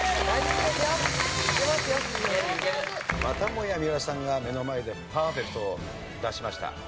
またもや三浦さんが目の前でパーフェクトを出しました。